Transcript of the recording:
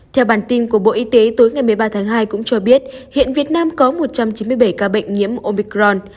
theo bản tin của bộ y tế tối ngày một mươi ba tháng hai cũng cho biết hiện việt nam có một trăm chín mươi bảy ca bệnh nhiễm omicron